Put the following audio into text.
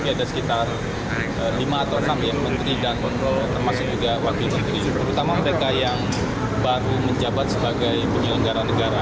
ada sekitar lima atau enam menteri dan termasuk juga wakil menteri terutama mereka yang baru menjabat sebagai penyelenggara negara